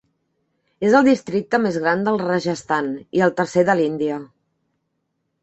És el districte més gran del Rajasthan i el tercer de l'Índia.